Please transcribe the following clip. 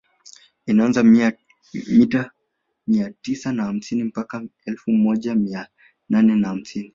Inaanzia mita mia tisa na hamsini mpaka elfu moja mia nane na hamsini